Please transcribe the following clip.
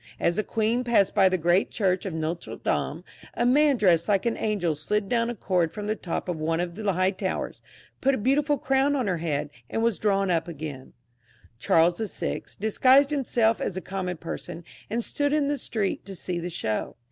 As the queen passed by the great church of Ndtre Dame, a man dressed like an angel slid down a cord jfrom the top of one of the high towers, put a beautiful crown on her head, and was drawn up again. Charles VI. disguised himself as a common person, and stood in the street to see the show.